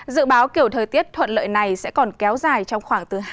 dự báo kiểu thời tiết thuận lợi này sẽ còn kéo dài trong khoảng từ hai mươi